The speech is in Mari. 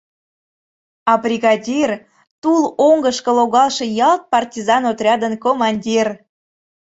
А бригадир — Тул оҥгышко логалше Ялт партизан отрядын Командир.